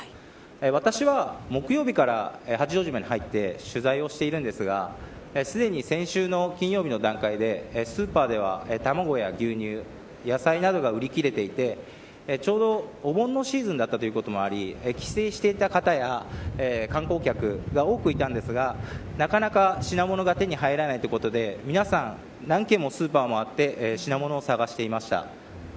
私は木曜日から八丈島に入って取材をしているんですがすでに先週の金曜日の段階でスーパーでは卵や牛乳野菜などが売り切れていてちょうどお盆のシーズンだったということもあり帰省していた方や観光客が多くいたんですがなかなか品物が手に入らないということで皆さん何軒もスーパーを回って品物を探していました。